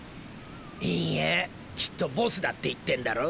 いいえきっとボスだって言ってんだろ？